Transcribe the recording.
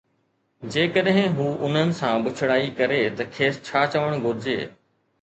جيڪڏھن ھو انھن سان بڇڙائي ڪري تہ کيس ڇا چوڻ گھرجي؟